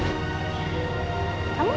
on mengakunnya ga ngamuk